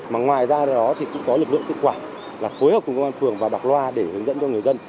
mà ngoài ra đó thì cũng có lực lượng tự quản là phối hợp cùng công an phường và đọc loa để hướng dẫn cho người dân